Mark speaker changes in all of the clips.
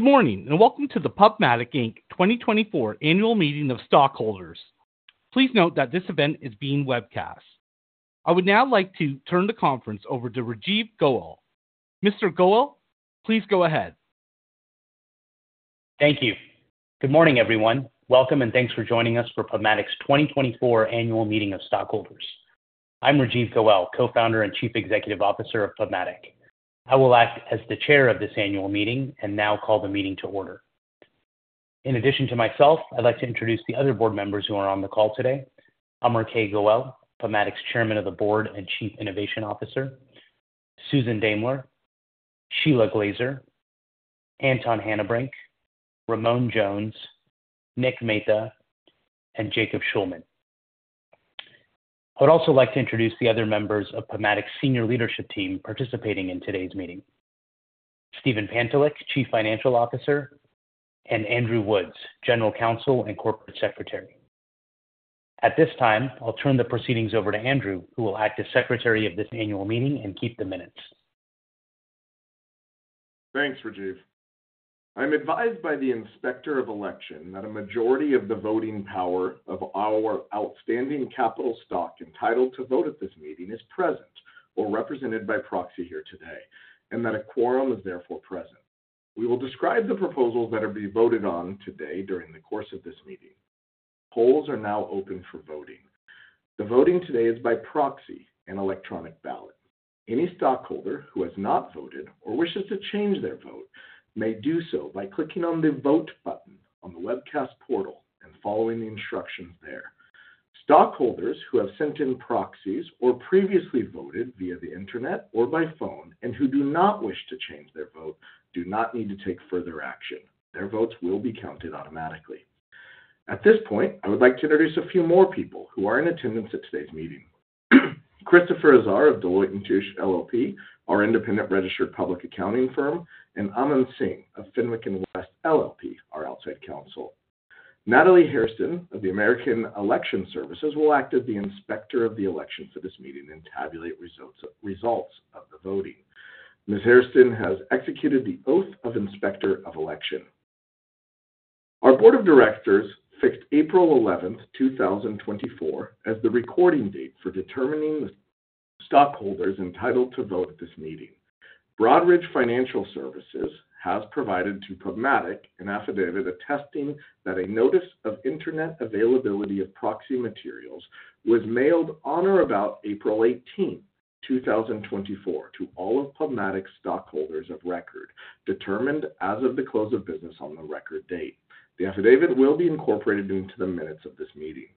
Speaker 1: Good morning, and welcome to the PubMatic, Inc. 2024 Annual Meeting of Stockholders. Please note that this event is being webcast. I would now like to turn the conference over to Rajeev Goel. Mr. Goel, please go ahead.
Speaker 2: Thank you. Good morning, everyone. Welcome, and thanks for joining us for PubMatic's 2024 Annual Meeting of Stockholders. I'm Rajeev K. Goel, co-founder and Chief Executive Officer of PubMatic. I will act as the chair of this annual meeting and now call the meeting to order. In addition to myself, I'd like to introduce the other board members who are on the call today. Amar K. Goel, PubMatic's Chairman of the Board and Chief Innovation Officer, Susan Daimler, Shelagh Glaser, Anton Hanebrink, Ramon Jones, Nick Mehta, and Jacob Shulman. I would also like to introduce the other members of PubMatic's senior leadership team participating in today's meeting. Steven Pantelick, Chief Financial Officer, and Andrew Woods, General Counsel and Corporate Secretary. At this time, I'll turn the proceedings over to Andrew, who will act as Secretary of this annual meeting and keep the minutes.
Speaker 3: Thanks, Rajeev. I'm advised by the Inspector of Election that a majority of the voting power of our outstanding capital stock entitled to vote at this meeting is present or represented by proxy here today, and that a quorum is therefore present. We will describe the proposals that are being voted on today during the course of this meeting. Polls are now open for voting. The voting today is by proxy and electronic ballot. Any stockholder who has not voted or wishes to change their vote may do so by clicking on the Vote button on the webcast portal and following the instructions there. Stockholders who have sent in proxies or previously voted via the internet or by phone and who do not wish to change their vote, do not need to take further action. Their votes will be counted automatically. At this point, I would like to introduce a few more people who are in attendance at today's meeting. Christopher Azar of Deloitte & Touche LLP, our independent registered public accounting firm, and Aman Singh of Fenwick & West LLP, our outside counsel. Natalie Hairston of the American Election Services will act as the Inspector of Election for this meeting and tabulate results of the voting. Ms. Hairston has executed the Oath of Inspector of Election. Our Board of Directors fixed April 11, 2024, as the record date for determining the stockholders entitled to vote at this meeting. Broadridge Financial Solutions has provided to PubMatic an affidavit attesting that a notice of internet availability of proxy materials was mailed on or about April eighteenth, two thousand and twenty-four, to all of PubMatic's stockholders of record, determined as of the close of business on the record date. The affidavit will be incorporated into the minutes of this meeting.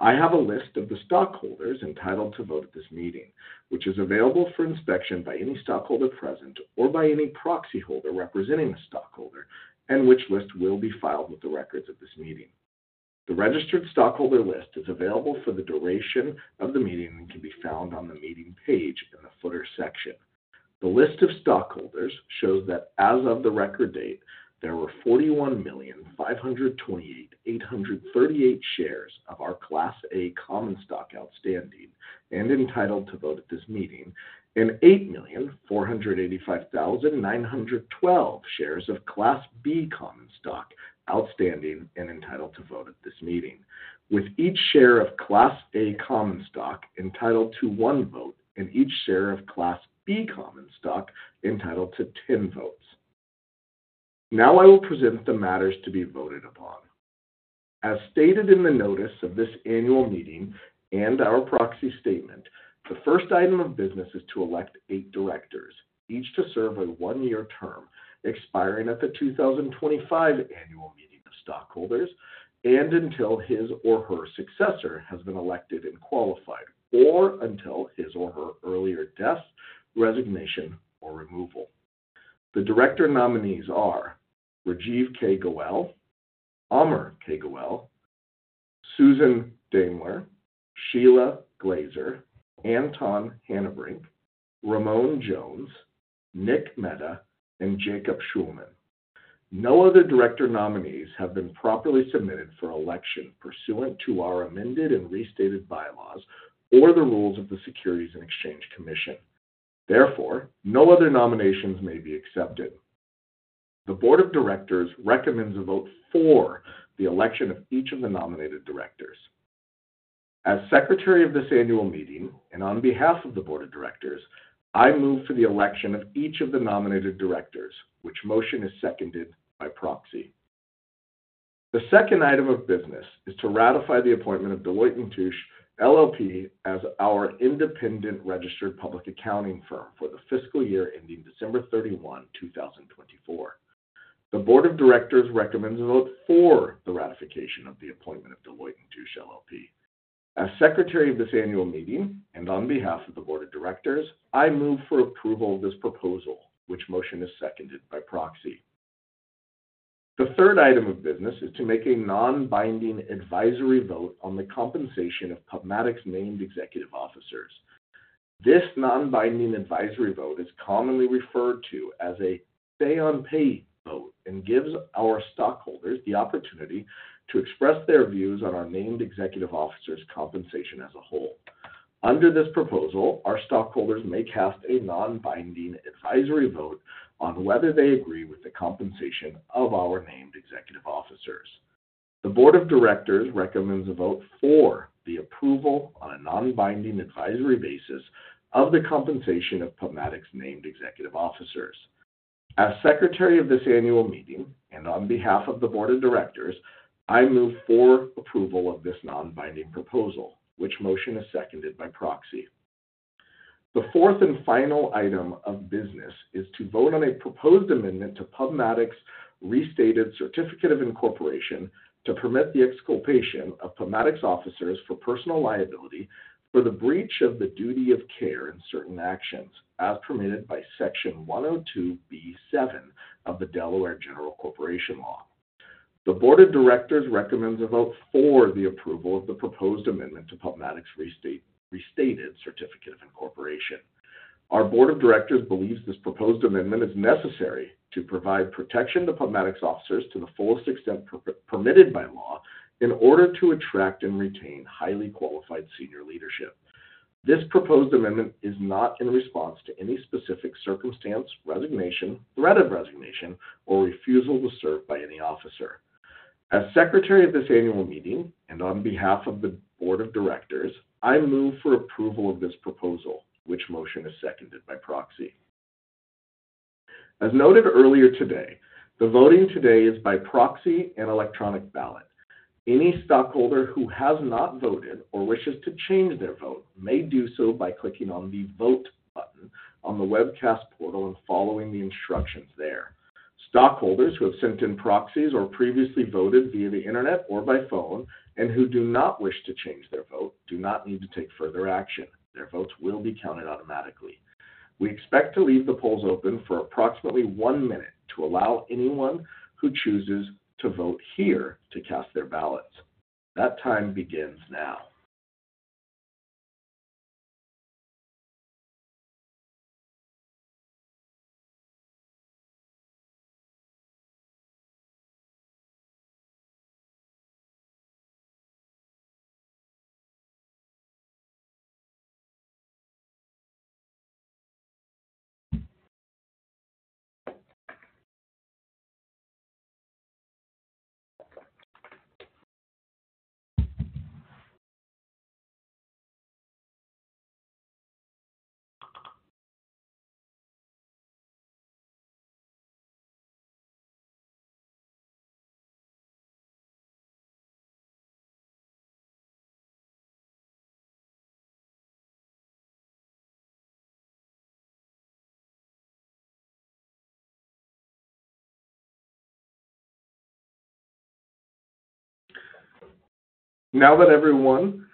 Speaker 3: I have a list of the stockholders entitled to vote at this meeting, which is available for inspection by any stockholder present or by any proxy holder representing a stockholder, and which list will be filed with the records of this meeting. The registered stockholder list is available for the duration of the meeting and can be found on the meeting page in the footer section. The list of stockholders shows that as of the record date, there were 41,528,838 shares of our Class A common stock outstanding and entitled to vote at this meeting, and 8,485,912 shares of Class B common stock outstanding and entitled to vote at this meeting, with each share of Class A common stock entitled to 1 vote and each share of Class B common stock entitled to 10 votes. Now I will present the matters to be voted upon. As stated in the notice of this annual meeting and our proxy statement, the first item of business is to elect eight directors, each to serve a one-year term, expiring at the 2025 annual meeting of stockholders and until his or her successor has been elected and qualified, or until his or her earlier death, resignation, or removal. The director nominees are Rajeev K. Goel, Amar K. Goel, Susan Daimler, Shelagh Glaser, Anton Hanebrink, Ramon Jones, Nick Mehta, and Jacob Shulman. No other director nominees have been properly submitted for election pursuant to our amended and restated bylaws or the rules of the Securities and Exchange Commission. Therefore, no other nominations may be accepted. The Board of Directors recommends a vote for the election of each of the nominated directors. As Secretary of this annual meeting and on behalf of the Board of Directors, I move to the election of each of the nominated directors, which motion is seconded by proxy. The second item of business is to ratify the appointment of Deloitte & Touche LLP as our independent registered public accounting firm for the fiscal year ending December 31, 2024. The Board of Directors recommends a vote for the ratification of the appointment of Deloitte & Touche LLP. As Secretary of this annual meeting and on behalf of the Board of Directors, I move for approval of this proposal, which motion is seconded by proxy. The third item of business is to make a non-binding advisory vote on the compensation of PubMatic's named executive officers. This non-binding advisory vote is commonly referred to as a say on pay vote and gives our stockholders the opportunity to express their views on our named executive officers' compensation as a whole... Under this proposal, our stockholders may cast a non-binding advisory vote on whether they agree with the compensation of our named executive officers. The Board of Directors recommends a vote for the approval on a non-binding advisory basis of the compensation of PubMatic's named executive officers. As secretary of this annual meeting, and on behalf of the Board of Directors, I move for approval of this non-binding proposal, which motion is seconded by proxy. The fourth and final item of business is to vote on a proposed amendment to PubMatic's restated certificate of incorporation to permit the exculpation of PubMatic's officers for personal liability for the breach of the duty of care in certain actions, as permitted by Section 102(b)(7) of the Delaware General Corporation Law. The Board of Directors recommends a vote for the approval of the proposed amendment to PubMatic's restated certificate of incorporation. Our Board of Directors believes this proposed amendment is necessary to provide protection to PubMatic's officers to the fullest extent permitted by law in order to attract and retain highly qualified senior leadership. This proposed amendment is not in response to any specific circumstance, resignation, threat of resignation, or refusal to serve by any officer. As Secretary of this annual meeting, and on behalf of the Board of Directors, I move for approval of this proposal, which motion is seconded by proxy. As noted earlier today, the voting today is by proxy and electronic ballot. Any stockholder who has not voted or wishes to change their vote may do so by clicking on the Vote button on the webcast portal and following the instructions there. Stockholders who have sent in proxies or previously voted via the Internet or by phone, and who do not wish to change their vote, do not need to take further action. Their votes will be counted automatically. We expect to leave the polls open for approximately one minute to allow anyone who chooses to vote here to cast their ballots. That time begins now. Now that everyone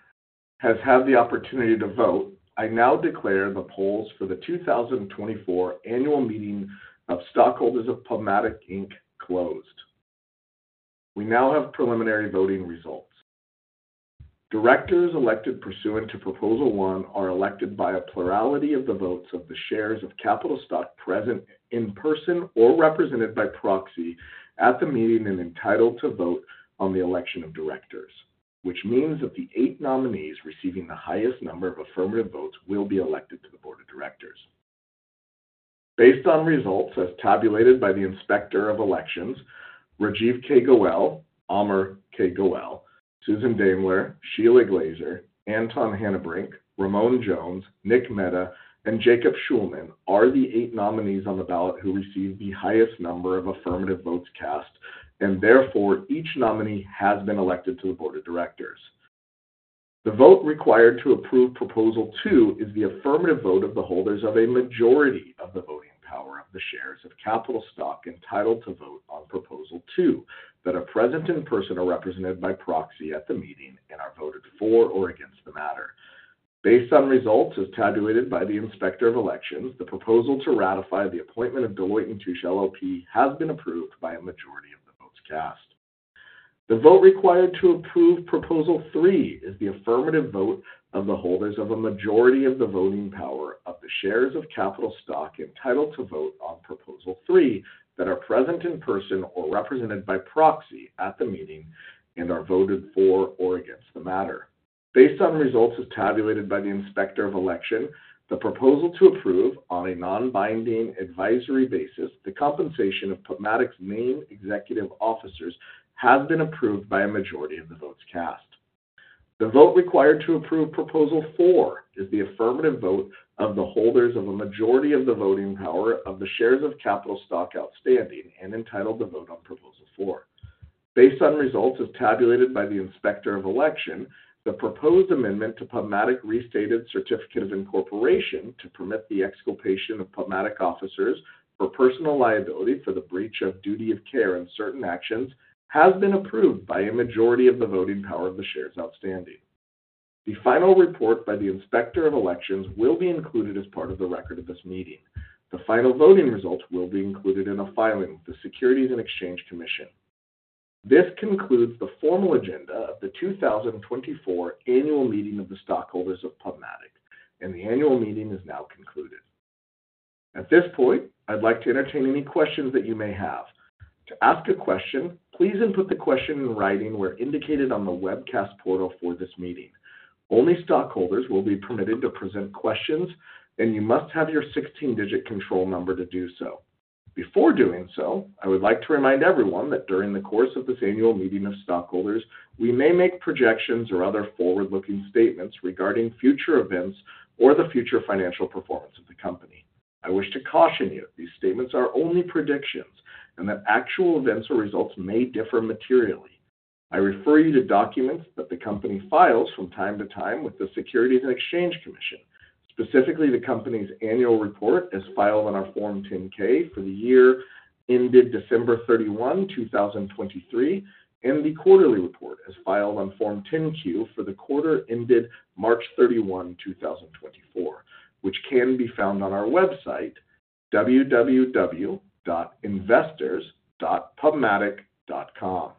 Speaker 3: has had the opportunity to vote, I now declare the polls for the 2024 annual meeting of stockholders of PubMatic, Inc. closed. We now have preliminary voting results. Directors elected pursuant to Proposal One are elected by a plurality of the votes of the shares of capital stock present in person or represented by proxy at the meeting and entitled to vote on the election of directors, which means that the eight nominees receiving the highest number of affirmative votes will be elected to the board of directors. Based on results as tabulated by the Inspector of Elections, Rajeev K. Goel, Amar K. Goel, Susan Daimler, Shelagh Glaser, Anton Hanebrink, Ramon Jones, Nick Mehta, and Jacob Shulman are the eight nominees on the ballot who received the highest number of affirmative votes cast, and therefore each nominee has been elected to the Board of Directors. The vote required to approve Proposal Two is the affirmative vote of the holders of a majority of the voting power of the shares of capital stock entitled to vote on Proposal Two, that are present in person or represented by proxy at the meeting and are voted for or against the matter. Based on results as tabulated by the Inspector of Election, the proposal to ratify the appointment of Deloitte & Touche LLP has been approved by a majority of the votes cast. The vote required to approve Proposal Three is the affirmative vote of the holders of a majority of the voting power of the shares of capital stock entitled to vote on Proposal Three that are present in person or represented by proxy at the meeting and are voted for or against the matter. Based on results as tabulated by the Inspector of Election, the proposal to approve on a non-binding advisory basis the compensation of PubMatic's named executive officers has been approved by a majority of the votes cast. The vote required to approve Proposal Four is the affirmative vote of the holders of a majority of the voting power of the shares of capital stock outstanding and entitled to vote on Proposal Four. Based on results as tabulated by the Inspector of Election, the proposed amendment to PubMatic's restated Certificate of Incorporation to permit the exculpation of PubMatic officers for personal liability for the breach of duty of care in certain actions has been approved by a majority of the voting power of the shares outstanding. The final report by the Inspector of Election will be included as part of the record of this meeting. The final voting results will be included in a filing with the Securities and Exchange Commission. This concludes the formal agenda of the 2024 annual meeting of the stockholders of PubMatic, and the annual meeting is now concluded. At this point, I'd like to entertain any questions that you may have. To ask a question, please input the question in writing where indicated on the webcast portal for this meeting. Only stockholders will be permitted to present questions, and you must have your 16-digit control number to do so. Before doing so, I would like to remind everyone that during the course of this annual meeting of stockholders, we may make projections or other forward-looking statements regarding future events or the future financial performance of the company. I wish to caution you, these statements are only predictions, and that actual events or results may differ materially. I refer you to documents that the company files from time to time with the Securities and Exchange Commission, specifically the company's annual report, as filed on our Form 10-K for the year ended December 31, 2023, and the quarterly report, as filed on Form 10-Q for the quarter ended March 31, 2024, which can be found on our website, www.investors.pubmatic.com.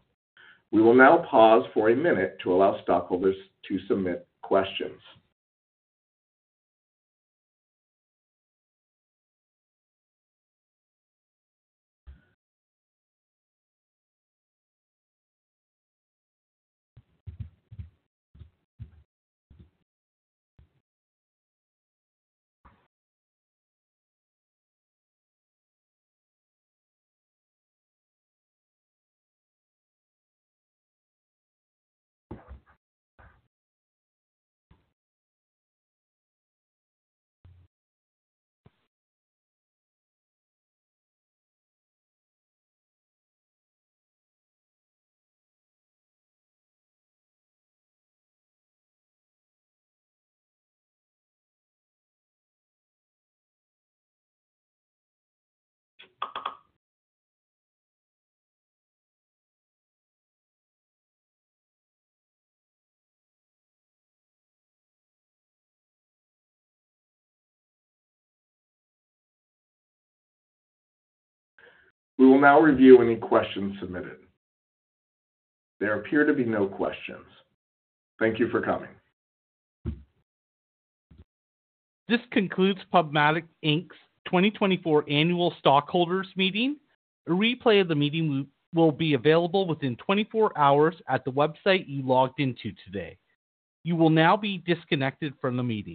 Speaker 3: We will now pause for a minute to allow stockholders to submit questions. We will now review any questions submitted. There appear to be no questions. Thank you for coming.
Speaker 1: This concludes PubMatic, Inc.'s 2024 annual stockholders meeting. A replay of the meeting will be available within 24 hours at the website you logged into today. You will now be disconnected from the meeting.